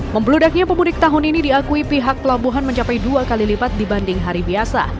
membludaknya pemudik tahun ini diakui pihak pelabuhan mencapai dua kali lipat dibanding hari biasa